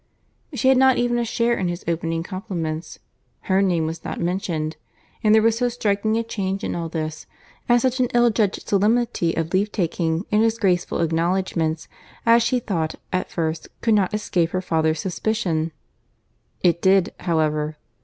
She had not even a share in his opening compliments.—Her name was not mentioned;—and there was so striking a change in all this, and such an ill judged solemnity of leave taking in his graceful acknowledgments, as she thought, at first, could not escape her father's suspicion. It did, however.